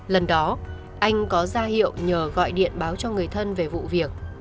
lần đó anh có ra hiệu nhờ gọi điện báo cho người thân về vụ việc